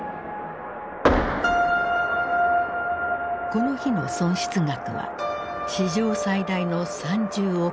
この日の損失額は史上最大の３０億ドル。